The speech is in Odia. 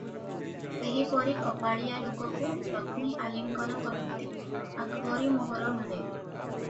ସେହିପରି କପାଳିଆ ଲୋକକୁ ଲକ୍ଷ୍ମୀ ଆଲିଙ୍ଗନ କରନ୍ତି, ଆକବରୀ ମୋହର ମିଳେ ।